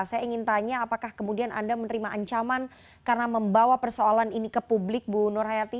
saya ingin tanya apakah kemudian anda menerima ancaman karena membawa persoalan ini ke publik bu nur hayati